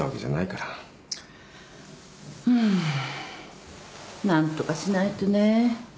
うん何とかしないとね。